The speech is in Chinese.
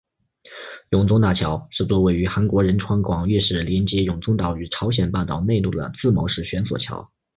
永宗大桥是座位于韩国仁川广域市连接永宗岛于朝鲜半岛内陆的自锚式悬索桥。